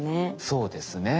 そうですね。